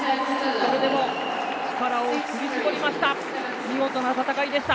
それでも力を振り絞りました。